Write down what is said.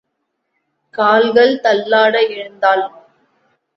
கால்கள் தள்ளாட எழுந்தாள்.